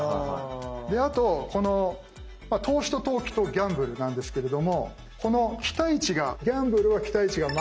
であとこの投資と投機とギャンブルなんですけれどもこの期待値がギャンブルは期待値がマイナス。